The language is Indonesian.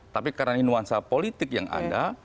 tapi karena ini nuansa politik yang ada